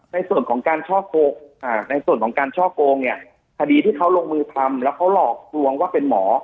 ในส่วนของการช่อโกงในส่วนของการช่อโกงเนี่ยคดีที่เขาลงมือทำแล้วเขาหลอกลวงว่าเป็นหมอ